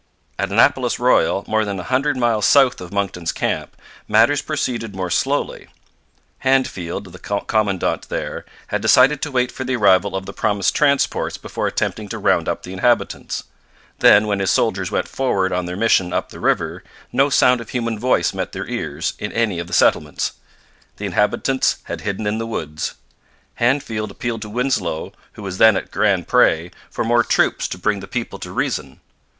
At Annapolis Royal, more than a hundred miles south of Monckton's camp, matters proceeded more slowly. Handfield, the commandant there, had decided to wait for the arrival of the promised transports before attempting to round up the inhabitants. Then, when his soldiers went forward on their mission up the river, no sound of human voice met their ears in any of the settlements. The inhabitants had hidden in the woods. Handfield appealed to Winslow, who was then at Grand Pre, for more troops to bring the people to reason.